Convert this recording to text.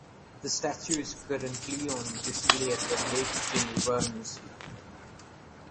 The statue is currently on display at the Lake Geneva Museum.